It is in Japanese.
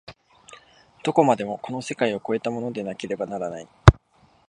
どこまでもこの世界を越えたものでなければならない。